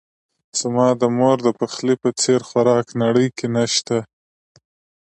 زما د مور دپخلی په څیر خوراک نړۍ کې نه شته